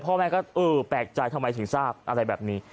พ่อแม่ก็เออแปลกใจทำไมถึงทราบอะไรแบบนี้